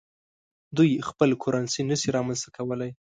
دوی خپل کرنسي نشي رامنځته کولای.